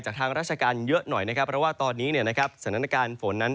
จากทางราชการเยอะหน่อยเพราะตอนนี้สถานการณ์ฝนนั้น